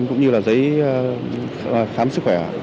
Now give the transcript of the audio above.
cũng như là giấy khám sức khỏe